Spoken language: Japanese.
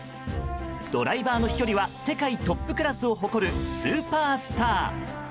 ドライバーの飛距離は世界トップクラスを誇るスーパースター。